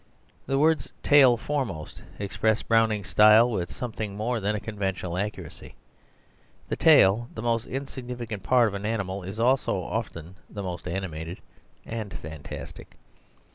The words "tail foremost" express Browning's style with something more than a conventional accuracy. The tail, the most insignificant part of an animal, is also often the most animated and fantastic.